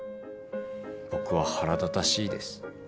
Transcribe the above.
僕は腹立たしいです。